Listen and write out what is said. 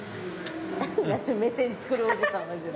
目線作るおじさんがいる。